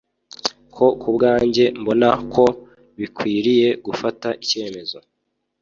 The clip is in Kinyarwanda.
ko kubwanjye mbona ko bikwiriye gufata icyemezo